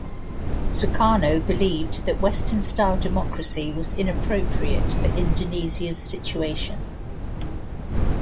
Sukarno believed that Western-style democracy was inappropriate for Indonesia's situation.